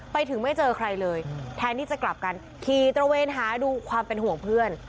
ไปถึงไม่เจอใครเลยแทนที่จะกลับกันขี่ตระเวนหาดูความเป็นห่วงเพื่อน